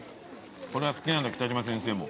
これが好きなんだ北島先生も。